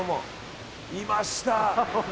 いました！